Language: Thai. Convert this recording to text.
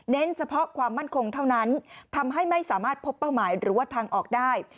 เฉพาะความมั่นคงเท่านั้นทำให้ไม่สามารถพบเป้าหมายหรือว่าทางออกได้